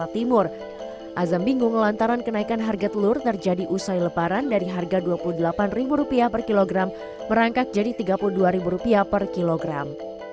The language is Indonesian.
azam bingung lantaran kenaikan harga telur terjadi usai leparan dari harga dua puluh delapan ribu rupiah per kilogram merangkak jadi tiga puluh dua ribu rupiah per kilogram